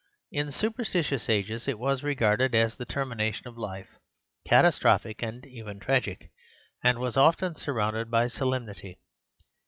In superstitious ages it was regarded as the termination of life, catastrophic, and even tragic, and was often surrounded by solemnity.